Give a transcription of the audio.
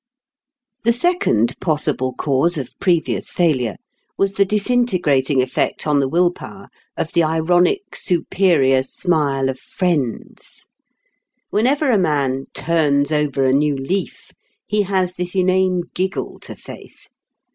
The second possible cause of previous failure was the disintegrating effect on the will power of the ironic, superior smile of friends. Whenever a man "turns over a new leaf" he has this inane giggle to face.